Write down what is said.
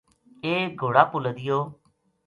ایک گھوڑا پو لَدیو